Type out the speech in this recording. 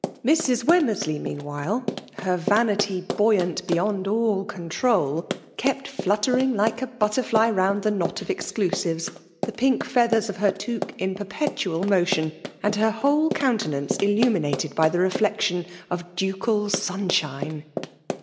Mrs. Wemmersr* ley meanwhile, her vanity buoyant beyond all control^ kept fluttering like a butterfly round the knot of exclusives ;— the pink feathers of her toque in perpetual motion, and her whole countenance illuminated by the reflection of ducal sunshine